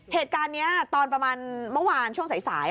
เหตุการณ์นี้ตอนประมาณเมื่อวานช่วงสาย